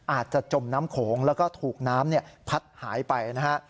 จมน้ำโขงแล้วก็ถูกน้ำพัดหายไปนะฮะ